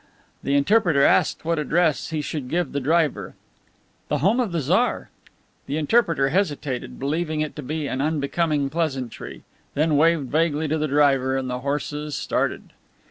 The interpreter asked what address he should give the driver. "The home of the Tsar." The interpreter hesitated, believing it to be an unbecoming pleasantry, then waved vaguely to the driver, and the horses started.